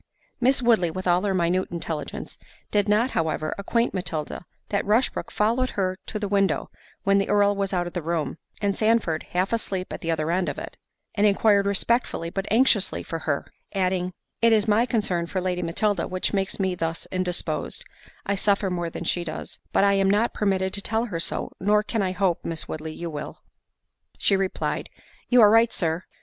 Miss Woodley, with all her minute intelligence, did not however acquaint Matilda, that Rushbrook followed her to the window when the Earl was out of the room, and Sandford half asleep at the other end of it, and inquired respectfully but anxiously for her; adding, "It is my concern for Lady Matilda which makes me thus indisposed: I suffer more than she does; but I am not permitted to tell her so, nor can I hope, Miss Woodley, you will." She replied, "You are right, Sir."